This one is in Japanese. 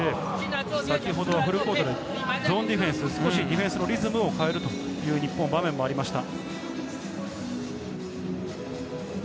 先ほどフルコートでゾーンディフェンス、少しディフェンスのリズムを変えるという日本、場面もありました。